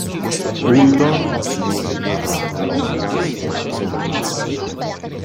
Uldor si mise dietro Blostgas, seduto.